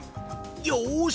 よし！